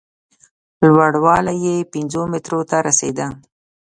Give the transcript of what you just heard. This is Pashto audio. لوړوالی یې پینځو مترو ته رسېده.